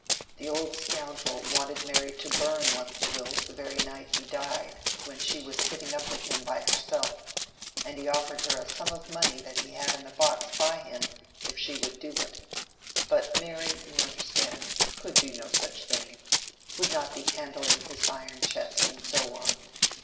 The old scoundrel wanted Mary to burn one of the wills the very night he died, when she was sitting up with him by herself, and he offered her a sum of money that he had in the box by him if she would do it. But Mary, you understand, could do no such thing—would not be handling his iron chest, and so on.